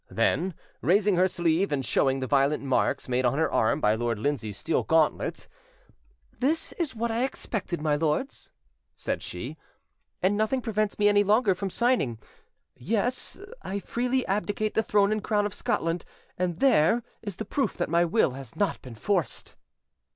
Then raising her sleeve and showing the violet marks made on her arm by Lord Lindsay's steel gauntlet. "This is what I expected, my lords," said she, "and nothing prevents me any longer from signing; yes, I freely abdicate the throne and crown of Scotland, and there is the proof that my will has not been forced."